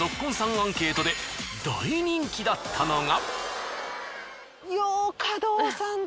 アンケートで大人気だったのが。